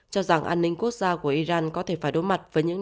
cho rằng an ninh quốc gia của iran có thể phải đối mặt với những